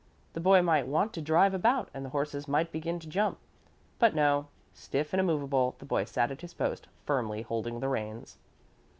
The boy might want to drive about and the horses might begin to jump. But no; stiff and immovable, the boy sat at his post, firmly holding the reins.